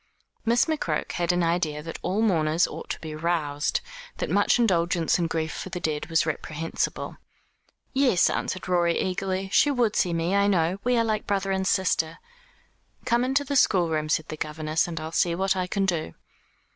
Miss McCroke had an idea that all mourners ought to be roused; that much indulgence in grief for the dead was reprehensible. "Yes," answered Rorie eagerly, "she would see me, I know. We are like brother and sister." "Come into the schoolroom," said the governess, "and I'll see what I can do."